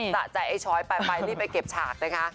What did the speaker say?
สะใจไอ้ช้อยไปรีบไปเก็บฉากนะคะ